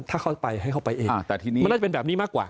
ถ้าเขาไปให้เขาไปเองมันก็จะเป็นแบบนี้มากกว่า